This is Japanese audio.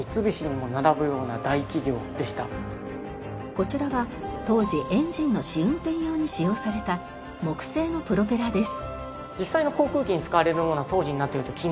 こちらは当時エンジンの試運転用に使用された木製のプロペラです。